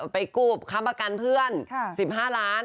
ไปกู้ค้ำประกันเพื่อน๑๕ล้าน